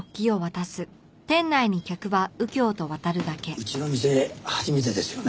うちの店初めてですよね？